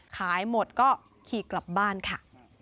ขายหมดก็ขี่กลับบ้านค่ะ